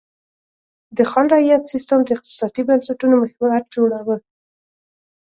د خان رعیت سیستم د اقتصادي بنسټونو محور جوړاوه.